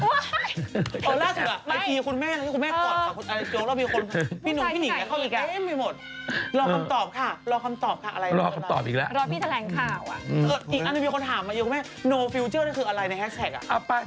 ตอนล่าสุดไอพี่คุณแม่ก่อนพี่หนูพี่หนี่เกินไปเข้าให้เกมไปหมด